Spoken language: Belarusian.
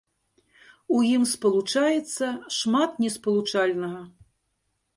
У ім спалучаецца шмат неспалучальнага.